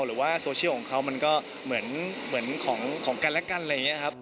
หรือว่าโซเชียลของเขามันก็เหมือนของกันและกันอะไรอย่างนี้ครับ